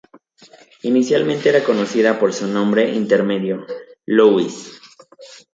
Inicialmente era conocida por su nombre intermedio, Louise.